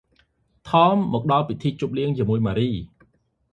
ថម មកដល់ពិធីជប់លៀងជាមួយ ម៉ារី ។